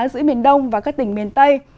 giữa miền đông và các tỉnh miền tây